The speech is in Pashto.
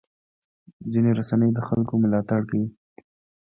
ځینې رسنۍ د خلکو ملاتړ کوي.